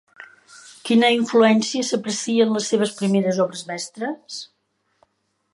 Quina influència s'aprecia en les seves primeres obres mestres?